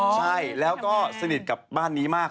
ใช่แล้วก็สนิทกับบ้านนี้มาก